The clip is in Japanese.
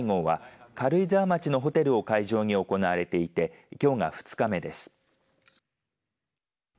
Ｇ７の外相会合は軽井沢町のホテルを会場に行われていてきょうが２日目です。